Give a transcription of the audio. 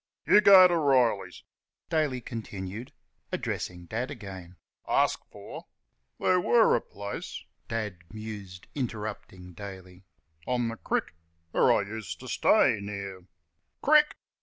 "You go t' Reilly's," Daly continued, addressing Dad again, "ask fer " "There were a place," Dad mused, interupting Daly, "on the crick, where I used t' stay; near " "Crick!"